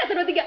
satu dua tiga